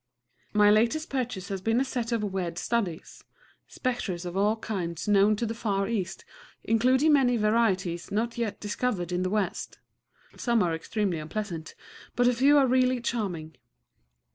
My latest purchase has been a set of weird studies, spectres of all kinds known to the Far East, including many varieties not yet discovered in the West. Some are extremely unpleasant; but a few are really charming.